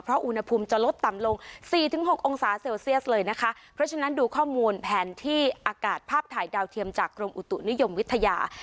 เพราะอุณหภูมิจะลดต่ำลงสี่ถึงหกองศาเซลเซียสเลยนะคะเพราะฉะนั้นดูข้อมูลแผนที่อากาศภาพถ่ายดาวเทียมจากกรมอุตุนิยมวิทยา